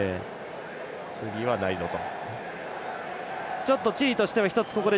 次はないぞと。